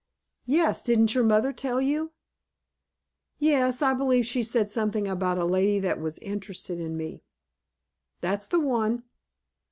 "Yes, didn't your mother tell you?" "Yes, I believe she said something about a lady that was interested in me." "That's the one."